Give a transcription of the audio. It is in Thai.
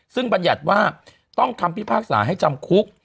ซึ่งบรรยัติว่าต้องคำพิพากษาให้จำคุก